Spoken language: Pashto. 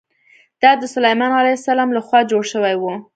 دا د سلیمان علیه السلام له خوا جوړ شوی و.